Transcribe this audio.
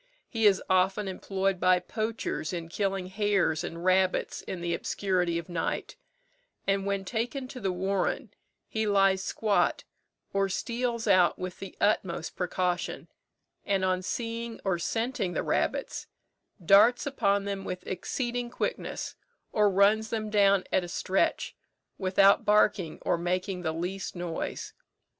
He is often employed by poachers in killing hares and rabbits in the obscurity of night; and when taken to the warren, he lies squat, or steals out with the utmost precaution, and on seeing or scenting the rabbits, darts upon them with exceeding quickness or runs them down at a stretch, without barking or making the least noise.